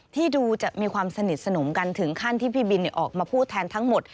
ที่ดูจะมีความสนิทสนมกันถึงขั้นที่พี่บินออกมาพูดแทนทั้งหมด